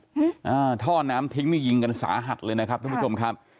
อืมอ่าท่อน้ำทิ้งนี่ยิงกันสาหัสเลยนะครับทุกผู้ชมครับ